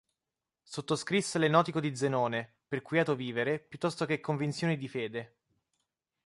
Sottoscrisse l'Enotico di Zenone per quieto vivere piuttosto che convinzioni di fede.